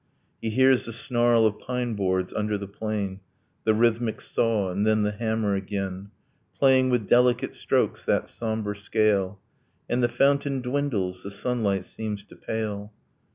He hears the snarl of pineboards under the plane, The rhythmic saw, and then the hammer again, Playing with delicate strokes that sombre scale ... And the fountain dwindles, the sunlight seems to pale.